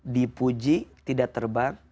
dipuji tidak terbang